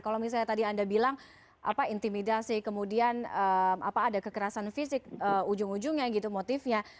kalau misalnya tadi anda bilang intimidasi kemudian ada kekerasan fisik ujung ujungnya gitu motifnya